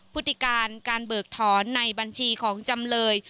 พฤติการการเบิกถอนในบัญชีของจำเลย